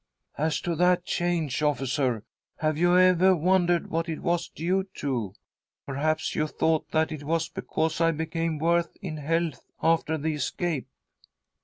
' "As to that change, officer, have you ever wondered what it was due to ? Perhaps you thought that it was because I became worse in health after the escape